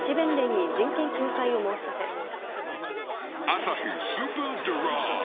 「アサヒスーパードライ」